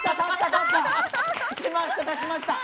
立ちました立ちました